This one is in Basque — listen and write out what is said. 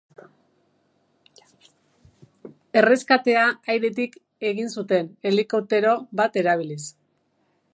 Erreskatea airetik egin zuten, helikoptero bat erabiliz.